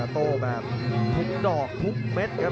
ทุกดอกทุกเม็ดครับ